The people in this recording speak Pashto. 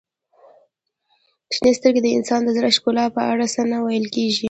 • شنې سترګې د انسان د زړه ښکلا په اړه څه نه ویل کیږي.